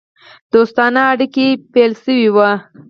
دوستانه اړېکي پیل سوي وه.